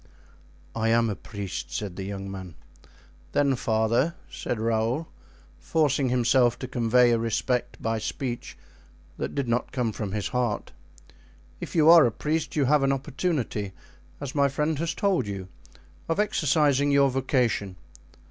"I am a priest," said the young man. "Then, father," said Raoul, forcing himself to convey a respect by speech that did not come from his heart, "if you are a priest you have an opportunity, as my friend has told you, of exercising your vocation.